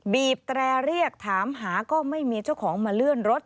บีบแตรเรียกถามหาก็ไม่มีเจ้าของมาเลื่อนรถ